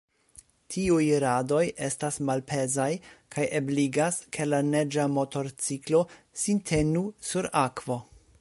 Tiuj radoj estas malpezaj kaj ebligas, ke la neĝa motorciklo sin tenu sur akvo.